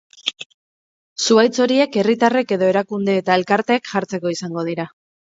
Zuhaitz horiek herritarrek edo erakunde eta elkarteek jartzeko izango dira.